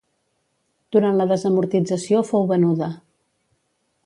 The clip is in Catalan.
Durant la desamortització fou venuda.